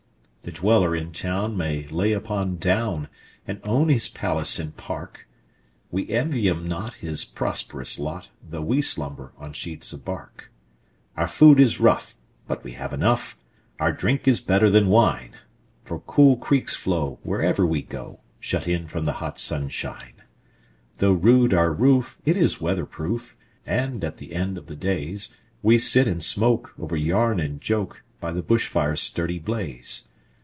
The dweller in town may lie upon down, And own his palace and park:We envy him not his prosperous lot, Though we slumber on sheets of bark. Our food is rough, but we have enough; Our drink is better than wine:For cool creeks flow wherever we go, Shut in from the hot sunshine. Though rude our roof, it is weather proof, And at the end of the daysWe sit and smoke over yarn and joke, By the bush fire's sturdy blaze.